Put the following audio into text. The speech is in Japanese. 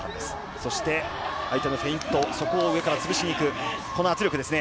そして相手のフェイントそこを上から潰しに行くこの圧力ですね。